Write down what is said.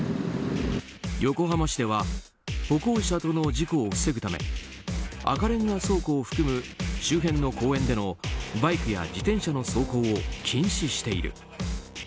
横浜市では歩行者との事故を防ぐため赤レンガ倉庫を含む周辺の公園でのバイクや自転車の走行を禁止している。